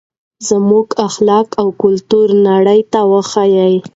زموږ اخلاق او کلتور نړۍ ته وښایئ.